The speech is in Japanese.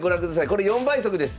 これ４倍速です。